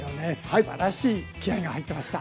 すばらしい気合いが入ってました。